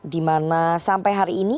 di mana sampai hari ini